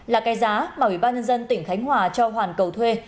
là cái giá mà ubnd tỉnh khánh hòa cho hoàn cầu thuê